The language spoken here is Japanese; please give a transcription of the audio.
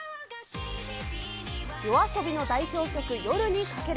ＹＯＡＳＯＢＩの代表曲、夜に駆ける。